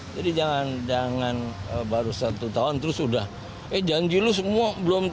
jadi jangan jangan baru satu tahun terus udah eh janji lu semua belum